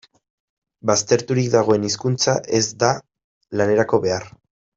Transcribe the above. Bazterturik dagoen hizkuntza ez da lanerako behar.